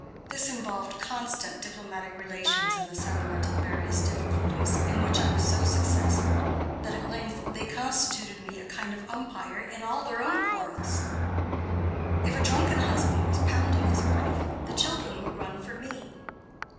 This involved constant diplomatic relations in the settlement of various difficulties, in which I was so successful that, at length, they constituted me a kind of umpire in all their own quarrels. If a drunken husband was pounding his wife, the children would run for me.